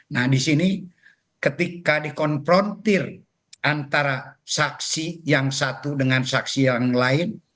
nah di sini ketika dikonfrontir antara saksi yang satu dengan saksi yang lain